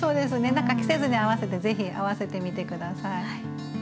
何か季節に合わせてぜひ合わせてみて下さい。